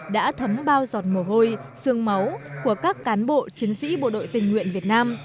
đã thấm bao giọt mồ hôi sương máu của các cán bộ chiến sĩ bộ đội tình nguyện việt nam